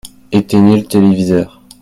Éteignez le téléviseur.